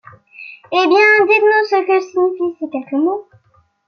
Eh bien, dites-nous ce que signifient ces quelques mots.